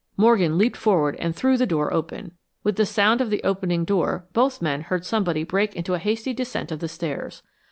Morgan leaped forward and threw the door open. With the sound of the opening door both men heard somebody break into a hasty descent of the stairs.